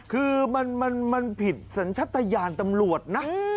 คือมันผิดสัญชัตยานตำรวจนะ